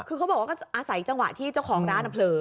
คือเขาบอกว่าก็อาศัยจังหวะที่เจ้าของร้านเผลอ